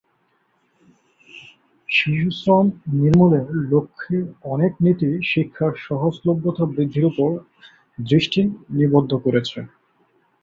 শিশুশ্রম নির্মূলের লক্ষ্যে অনেক নীতি শিক্ষার সহজলভ্যতা বৃদ্ধির উপর দৃষ্টি নিবদ্ধ করেছে।